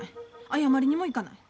謝りにも行かない。